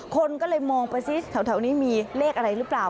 คนก็เลยมองไปซิแถวนี้มีเลขอะไรหรือเปล่า